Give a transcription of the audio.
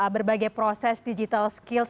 berbagai proses digital skills